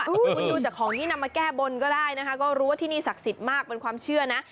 คุณดูจากของที่นำมาแก้บนก็ได้นะคะก็รู้ว่าที่นี่ศักดิ์สิทธิ์มากเป็นความเชื่อนะ